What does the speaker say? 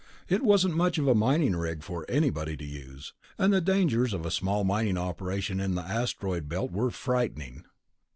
It wasn't much of a mining rig for anybody to use, and the dangers of a small mining operation in the Asteroid Belt were frightening.